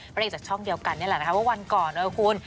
ไปได้จากช่องเดียวกันนี่แหละนะคะว่าวันก่อนนะครับคุณ